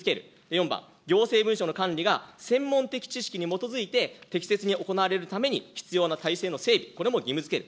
４番、行政文書の管理が専門的知識に基づいて、適切に行われるために必要な体制の整備、これも義務づける。